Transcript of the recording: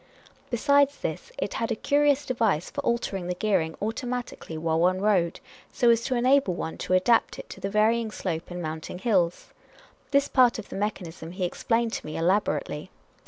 Besides this, it had a curious device for altering the gear ing automatically while one rode, so as to enable one to adapt it to the varying slope in mounting hills. This part of the mechanism he explained to me elaborately.